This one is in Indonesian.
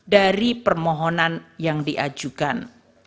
dari permohonan yang diajukan